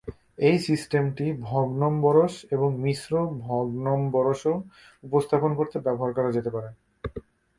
এই সিস্টেমটি ভগ্নম্বরশ এবং মিশ্র ভগ্নম্বরশও উপস্থাপন করতে ব্যবহার করা যেতে পারে।